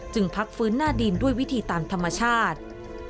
พักฟื้นหน้าดินด้วยวิธีตามธรรมชาติ